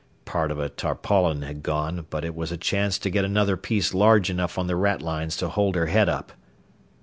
Part of a tarpaulin had gone, but it was a chance to get another piece large enough on the ratlines to hold her head up.